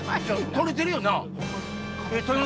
録れてるよな？